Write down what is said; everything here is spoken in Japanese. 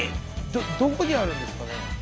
どこにあるんですかね？